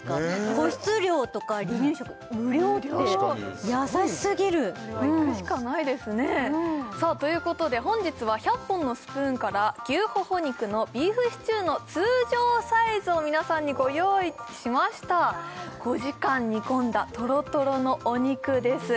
個室料とか離乳食無料って優しすぎるこれは行くしかないですねということで本日は１００本のスプーンから牛ほほ肉のビーフシチューの通常サイズを皆さんにご用意しました５時間煮込んだとろとろのお肉です